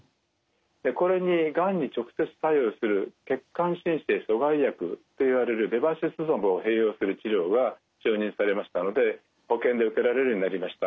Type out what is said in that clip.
これにがんに直接作用する血管新生阻害薬といわれるベバシズマブを併用する治療が承認されましたので保険で受けられるようになりました。